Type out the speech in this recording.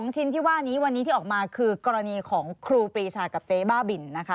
ชิ้นที่ว่านี้วันนี้ที่ออกมาคือกรณีของครูปรีชากับเจ๊บ้าบินนะคะ